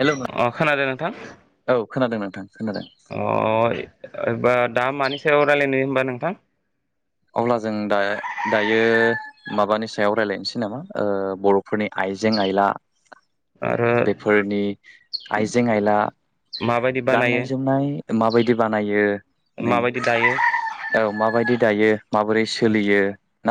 Hello नों अ खोनादों नोंथां। औ खोनादों नोंथां खोनादों अ दा मानि सायाव रायज्लायनो होनबा नोंथां। अब्ला जों दा दायो माबानि सायाव रायज्लायनोसै नामा ओ बर'फोरनि आइ आइजें आइला आरो बेफोरनि आइजें आयला माबायदि बानायो गाननाय जोमनाय माबायदि बानायो नै माबायदि दायो औ माबायदि दायो माबोरै सोलियो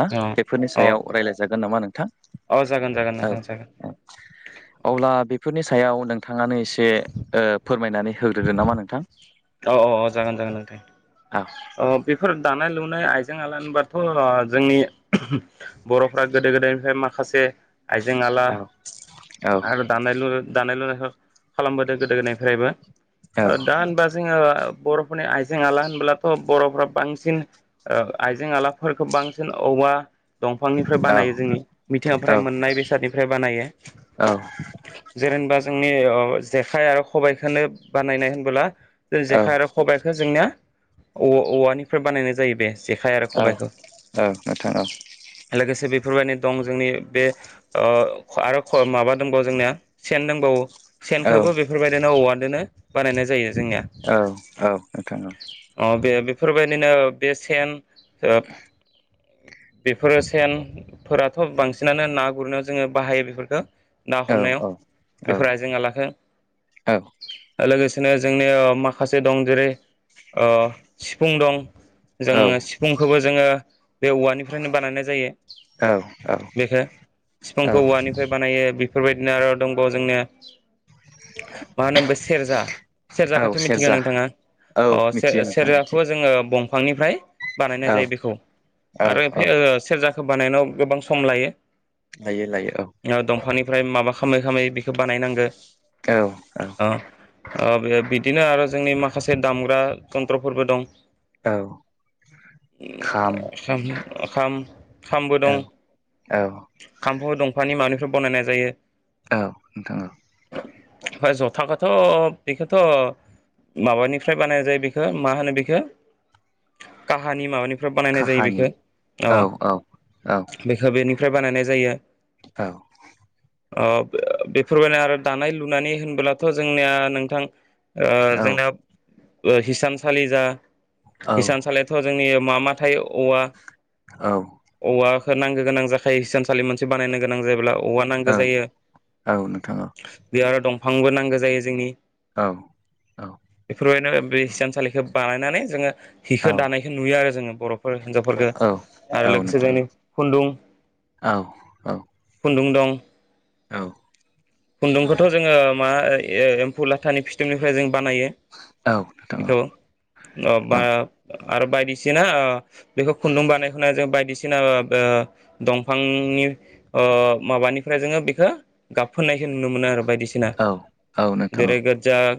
ना बेफोरनि अ सायाव रायज्लायजागोन नामा नोंथां। अ जागोन जागोन औ नोंथां जागोन। औ अब्ला बेफोरनि सायाव नोंथाङानो एसे ओ फोरमायनानै होग्रोदो नामा नोंथां। औ औ औ जागोन जागोन नोंथां। औ बेफोर दानाय लुनाय आइजें आला होनबाथ' जोंनि बर'फ्रा गोदो गोदायनिफ्राय माखासे आइजें-आइला औ औ आरो दानाय-लुनाय खालामबोदों गोदो गोदायनिफ्रायबो। औ दा होनबा जोङो बर'फोरनि आइजें-आला होनबोलाथ' बर'फ्रा बांसिन आइजें-आलाफोरखौ बांसिन औवा दंफांनिफ्राय औ बानायो जोंनि मिथिंगानिफ्राय मोननाय बेसादनिफ्राय बानायो। जेरेन बाज जोंनि जेखाइ आरो खबायाइखौनो बानायनाय होनबोला जों औ जेखाइ आरो खबायाइखौ जोंनिया औ औवानिफ्राय बानायनाय जायो बे जेखाइ आरो औ खबाइखौ। औ नोंथां लोगोसे बे बेफोरबायदि दं जोंनि बे आरो माबा दंबावो जोंनिया सेन दंबावो औ औ सेनखबो बेफोरबायदिनो औवादोनो बानायनाय जायो जोंनिया। औ औ नोंथां औ। अ बे बेफोरबायदिनो बे सेन बेफोरो सेनफोराथ' बांसिनानो ना गुरनायाव जोङो बाहायो बेफोरखौ। ना औ हमनायाव औ बेफोर आइजेंना लाखो लोगोसे बिदिनो जोंनि माखासे दं जेरै सिफुं दं जोंङो सिफुंखौबो जोंङो बे औवानिफ्रायनो बानायनाय जायो औ औ बेखौ औ बिफांखौ औवानिफ्राय बानायो। बेफोरबायदिनो आरो दंबावो जोंनि मा होनोम बे सेरजा औ सेरजाख सेरजा औ नोंथा मिथियो नोंथां मिथियो सेराखौ जोंङो दफांनिफ्राय बानाय औ जायो बिखौ औ आरो औ बेयो सेर बेखौ बानायनायाव गोबां सम लायो। लायोयो लायोायो औ ओमफ्राय माबा खालामै खालामै बेखौ बानायनांगो औ औ बे बिदिनो आरो जोंनि माखासे दामग्रा जन्थ्रफोरबो दं औ खाम ओ खाम खामबो दं। औ औ खाम्फुबो दंफांनि माबानिफोर बनायनाय जायो? औ नोंथां औ ओमफ्राय जथाखौथ' बेखौथ' माबानिफ्राय बानायनाय जायो बेखौ मा होनो बेखौ काहानि माबानिफ्राय बानायनाय जायो काहानि बेखौ औ औ बेखौ बेनिफ्राय बानायनाय जायो। औ बेफोरबायदिनो आरो दानाय लुनानै होनबोलाथ' जोंनिया नोंथां जोंना हिसानसालि जा औ हिसानसालियाथ' जोंनि मामा थायो औवा औ औवाखौ नांगौ गोनां जाखायो हसानसालि मोनसे बानायनो गोनां जायोब्ला औवा नांगौ जायो औ नोंथां औ नोंथां औ बे आरो दंफांबो नांगौ जायो जोंनि औ बेफोरबायदिनो बे थानसालिखौ बानायनानै जोंङो औ हिखौ दानायखौ नुयो आरो जोंङो बर'फोर हिनजावफोरखौ औ आरो लोगोसे नोंथां जोंनि खुन्दुं औ खुन्दुं दं औ खुन्दुंखौथ' जोंङो मा एम्फौ लाथानि फिथोबनिफ्राय जों बानायो बेखौ आरो बायदिसिना बेखौ खुन्दुं बानायखौनो जों बायदिसिना ना ओ दंफांनि ओ माबानिफ्राय जोंङो बेखो गाबफोननाय नुनो मोनो आरो बायदि औ औ नोंथां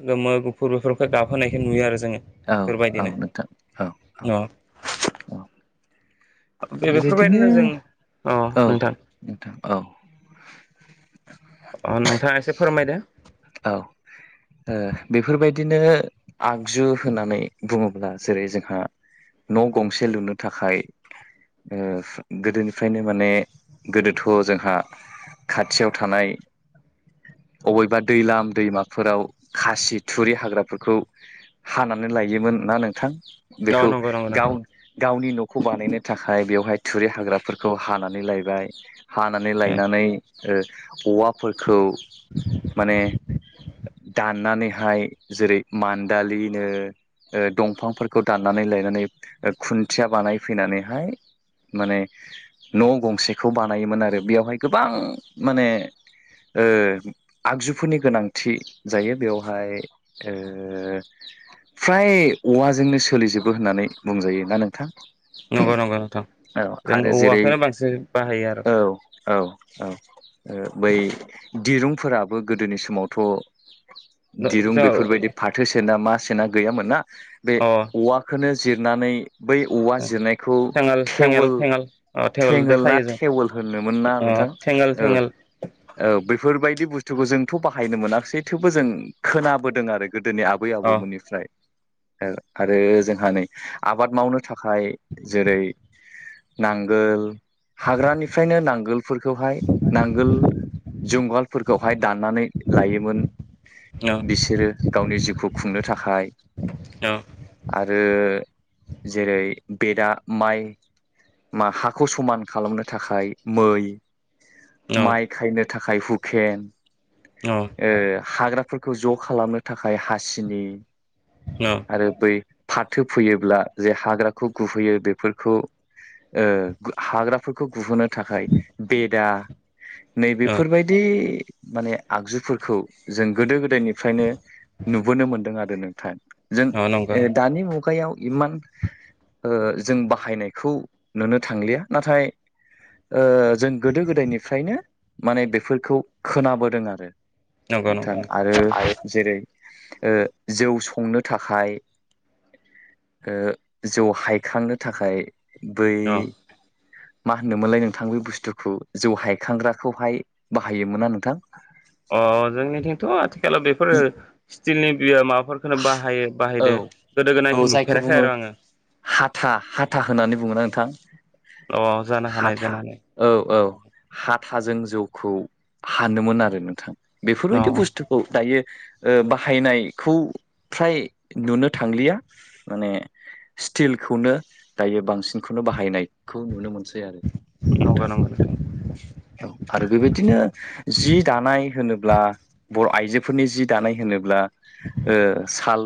गोमो गुफुर बेफोरखौ गाबहोनायखौ नुयो आरो जोंङो औ औ बेफोरबायदिनो नोंथां औ औ ओ औ बेबायदिनो जों अ औ नोंथां नोंथां औ अ नोंथाङा एसे फोरमायदो औ ओ बेफोरबायदिनो आगजु होननानै बुङोब्ला जेरै जोंहा न' गंसे लुनो थाखाय ओ गोदोनिफ्रायनो माने गोदोथ' जोंहा खाथियाव थानाय अबेबा दैलाम दैमाफोराव खासि थुरि हाग्राफोरखौ हानानै लायोमोन ना नोंथां औ बेखौ नंगौ नंगौ गाव नोंथां गावनि न' खौ बानायनो थाखाय बेवहाय थुरि हाग्राफोरखौ हानानै लायबाय हानानै लायनानै ओ औवाफोरखौ माने दाननानैहाय जेरै मान्दालिनो ओ दंफांफोरखौ दाननानै लायनानै खुन्थिया बानायफैनानैहाय माने न' गंसेखौ बानायोमोन आरो बेयावहाय गोबां माने ओ आगजुफोरनि गोनांथि जायो बेवहाय ओ फ्राय औवाजोंनो सोलिजोबो होननानै बुंजायो ना नोंथां नंगौ नंगौ नोंथां औ जों आरो जेरै औवाखौनो बांसिन बाहायो आरो औ औ। औ ओ बै दिरुंफोराबो गोदोनि समावथ' दिरुं जों बेफोरबायदि फाथो सेना मा सेना गैयामोन ना बे अ औवाखौनो जिरनानै बै औवा जिरनायखौ थेङाल थेङेल थेवोल थेङाल अ थेवोलदो थेङोल ना खायो जों थेवोल होनो मोनना अ नोंथां थेंगोल ओ थेंगोल औ बेफोरबायदि बुस्थुखौ जोंथ' बाहायनो मोनासै थेवबो जों खोनाबोदों आरो गोदोनि आबै अ आबौमोननिफ्राय ओ आरो जोंहा नै आबाद मावनो थाखाय जेरै नांगोल हाग्रानिफ्रायनो नांगोलफोरखौहाय नांगोल जंगलफोर दाननानै लायोमोन अ अ बिसोरो गावनि जिउखौ खुंनो थाखाय औ जे जेरै बेदआ माइ मा हाखौ समान खालामनो थाखाय मै अ माइ खायनो थाखाय हुकेन ओ हाग्रा फोरखौ ज' खालामनो थाखाय हासिनि अ आरो बै फाथो फोयोब्ला जे हाग्राखौ गुहैयो बेफोरखौ ओ हाग्राफोरखौ गुहोनो थाखाय बेदा अ नैबेफोरबायदि ओ माने आगजुफोरखौ जों गोदो गोदायनिफ्रायनो नुबोनो मोनदों आरो नों नोंथां जों अ नंगौ ओ दानि मुगायाव इमान ओ जों बाहायनायखौ नुनो थांलिया नाथाय ओ जों गोदो गोदायनिफ्रायनो माने बेफोरखौ खोनाबोदों आरो नंगौ नोंथां नंगौ आरो जेरै ओ जौ संनो थाखाय ओ जौ हायखांनो थाखाय बै नंगौ अ मा होनोमोनलाय नोंथां बे बुस्थुखौ जौ हायखांग्राखौहाय बाहायोमोनना नोंथां अ जोंनिथिंथ' आथिखालाव बेफोरो स्टिलनि होयो माबाफोरखौनो बाहायो औ बाहायदो गोदो औ गोदायनिखौ जायखौ नुफेराखै बुङो आरो आङो हाथा हाथा होननानै बुङोना नोंथां। अ जानो हानाय हाथा जानो हानाय औ औ हा थाजों जौखौ हानोमोन आरो नोंथां अ बेफोरबायदि बुस्थुखौ दायो। बाहायनायखौ फ्राय नुनो थांलिया माने स्टिलखौनो दायो बांसिन। बेखौनो बाहायनायखौ नुनो मोनसै आरो नंगौ नोंथां। नंगौ औ आरो बेबायदिनो जि दानाय होनो ब्ला बर' आइजोफोरनि जि दानाय होनोब्ला ओ साल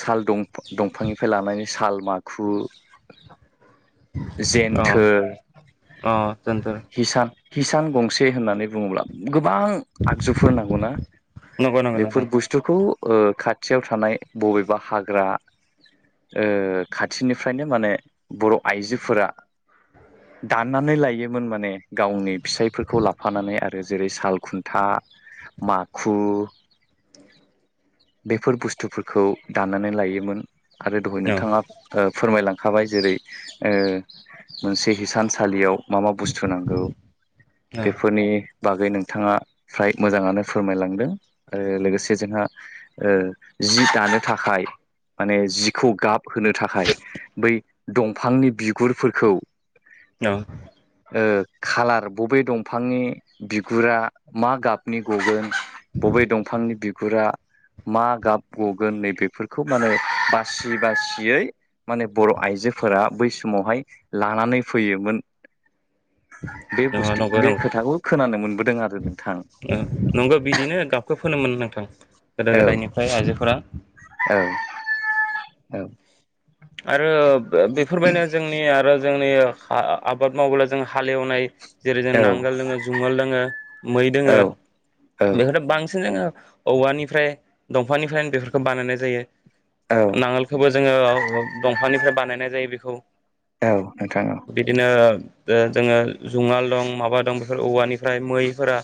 साल दंफां दंफांनिफ्राय लानानै साल माखु अ जेन्थोर अ दोनथ' हिसान हिसान गंसे होननानै बुङोब्ला गो बां आगजुफोर नांगौना नंगौ नंगौ नोंथां बेफोर बुस्थुखौ। ओ खाथियाव थानाय बबेबा हाग्रा ओ खाथिनिफ्रायनो माने बर' आइजोफोरा दाननानै लायोमोन माने गावनि फिसायफोरखौ लाफानानै आरो जेरै साल खुन्था माखु बेफोर बुस्थुफोरखौ दान्नानै लायोमोन आरो दहाय औ नोंथाङा ओ फोरमायलांखाबाय जेरै ओ मोनसे हिसानसालियाव मा मा बुस्थु नांगौ औ बेफोरनि बागै नोंथाङा फ्राय मोजाङानो फोरमायलांदों ओ लोगोसे जोंहा ओ जि दानो थाखाय माने जिखौ गाब होनो थाखाय बै दंफांनि बिगुरफोरखौ औ ओ खालार बबे दंफांनि बिगुरा मा गाबनि गगोन बबे दंफांनि बिगुरा मा गाब गगोन नै बेेफोरखौ माने बासि बासियै माने बर' आइजोफोरा बै समावहाय लानानै फैयोमोन बे औ बुस्थु नंगौ बे खोथाखौ खोनानो मोनबोदों आरो नोंथां ओ नंगौ बिदिनो गाबखो फोनोमोन नोंथां गोदो औ गोदायनिफ्राय आइजोफोरा औ [unintelligible] औ आरो बेफोरबायदिनो जोंनि आरो जोंनि आबाद मावोब्ला जों हालेवनाय जेरै- जों नांगोल दोङो जुंगालल दोङो मै औ दोङो बेखौथ' बांसिन जोङो औवानिफ्राय दंफांनिफ्राय बेफोरखौ बानायनाय जायो औ नांगोलखौबो जोङो दंफांनिफ्राय बानायनाय जायो बेखौ औ नोंथां औ बिदिनो जोङो जुङाल दं माबा दं बेफोर औवानि ओमफ्राय मैफोरा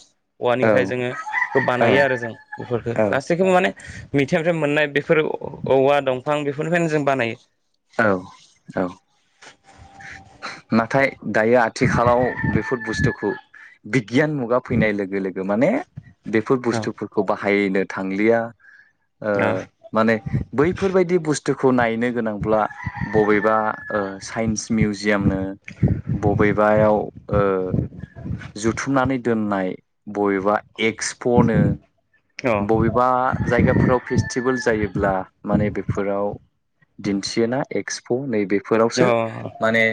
औवानिफ्राय जोङो बेखौ औ बानायो आरो जों बेफोरफोरखो गासैखौबो माने मिथिंगानिफ्राय मोननाय बेफोर औवा दंफां बेफोरनिफ्रायनो जों बानायो औ-औ नाथाय दायो आथिखालाव बेफोर बुस्थुखौ बिगियान मुगा फैनाय लोगो लोगो माने बेफोर औ बुस्थुफोरखौ बाहायनो थांलिया ओ माने बैफोरबायदि बुस्थुखौ नायनो गोनां अब्ला बबेबा ओ साइन्स मिउजियामनो बबेबायाव ओ जुथुमनानै दोननाय बबेबा एक्सप'नो औ बबेबा जायगाफोराव फेस्टिभेल जायोब्ला माने बेफोराव दिन्थियोना एक्सप' औ नैबेफोरावसो माने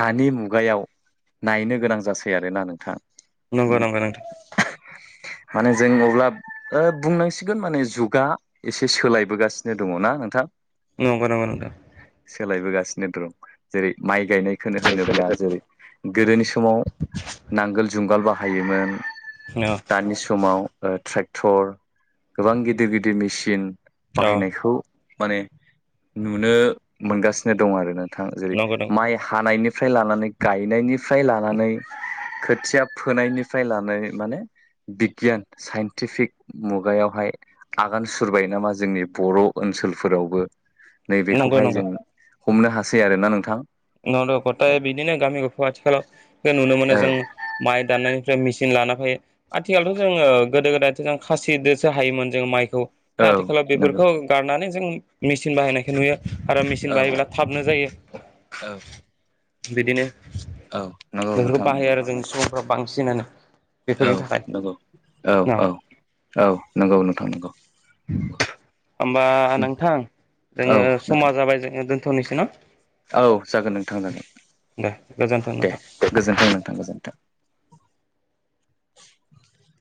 दानि मुगायाव नायनो गोनां जासै आरोना नोंथां। नंगौ नंगौ नोंथां माने जों अब्लाब ओ बुंनांसिगोन माने जुगा एसे सोलायबोगासिनो दङ' ना नोंथां नंगौ नंगौ नोंथां सोलायबोसिनो द्रं जेरै-माइ गायनायखोनो होनोब्ला जेरै गोदोनि स माव नांगोल जुंगाल बाहायोमोन औ दानि समाव ओ ट्रे क्टर गोबां गिदिर गिदिर मिसिन औ बाहायनायखौ माने नुनो मोनगासिनो दंआरो नोंथां जेरै नंगौ नंगौ माइ हानायनि फ्राय लानानै गायनायनिफ्राय लानानै खोथिया फोनायनिफ्राय लानानै माने बिगियान साइन टिफिक मुगायावहाय आगान सुरबाय नामा जोंनि बर' ओनसोलफोरावबो नंगौ नैबेखौहाय नंगौ जों हमनो हासै आरोना नोंथां। [unintelligible] बिदिनो गामि गफ' आथिखालाव बे नुनो मोनो औ जों माइ दाननायनि फ्राय मेसिन लाना फायो आथिखालथ' जोङो गोदो गोदायथ' जों खासिदोसो हायोमोन जों माइ खौ औ दा आथिखालाव नंगौ बेफोरखौ गारनानै जों मेसिन बाहायनायखौ नुयो आरो मेसिन बाहायोब्ला थाबनो जायो औ बिदिनो औ नंगौ बेफोरखौ नोंथां बाहायो नंगौ आरो जों सुबुंफ्रा बांसिनानो औ बेफोरनि थाखाय नोंगौ औ औ औ नोंगौ नोंथां नोंगौ होमबा नोंथां औ जोङो नोंथां समा जाबाय जोङो दोनथ'नोसै न' औ जागोन नोंथां जागोन दे गोजोन्थों दे नोंथां गोजोनथों नोंथां गोजोनथों